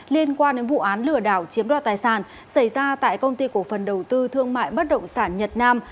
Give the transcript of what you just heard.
liên quan đến vụ án lừa đảo chiếm đoạt tài sản xảy ra tại công ty cổ phần đầu tư thương mại bất động sản nhật nam